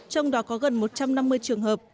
trong đó có gần một trăm năm mươi trường hợp